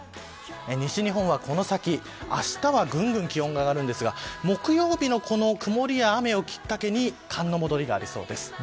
西日本はこの先、あしたはぐんぐん気温が上がるんですが木曜日の曇りや雨をきっかけに寒の戻りがありそうです。